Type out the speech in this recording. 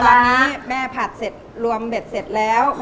ตอนนี้แม่ผัดเสร็จรวมเบ็ดเสร็จแล้ว